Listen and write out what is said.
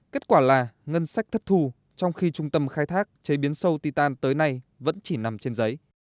kết quả là ngân sách thất thù trong khi trung tâm khai thác chế biến sâu ti tàn tới nay vẫn chỉ nằm trên giấy